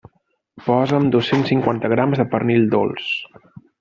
Posa'm dos-cents cinquanta grams de pernil dolç.